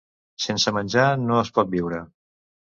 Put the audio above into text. Sense menjar no es pot viure.